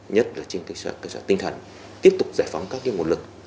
nhất là trên cơ sở tinh thần tiếp tục giải phóng các nguồn lực